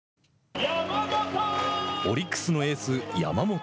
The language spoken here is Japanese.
オリックスのエース、山本。